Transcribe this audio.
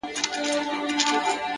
پرمختګ د عادتونو ښه کولو هنر دی.!